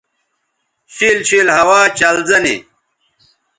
شِیل شِیل ہوا چلزہ نی